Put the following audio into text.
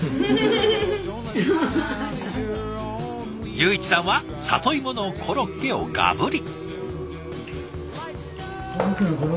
祐一さんは里芋のコロッケをガブリ。